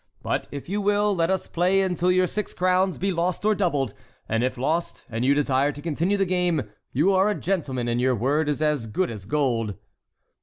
But, if you will, let us play until your six crowns be lost or doubled, and if lost, and you desire to continue the game, you are a gentleman, and your word is as good as gold."